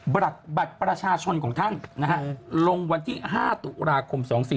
บัตรประชาชนของท่านลงวันที่๕ตุลาคม๒๔๔